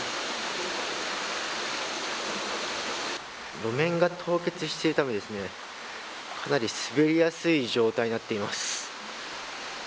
路面が凍結しているためかなり滑りやすい状態になっています。